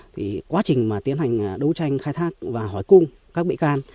thì quá trình mà tiến hành đấu tranh khai thác và hỏi cung các bị can